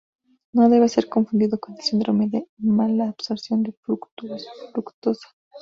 No debe ser confundido con el síndrome de malabsorción de fructosa.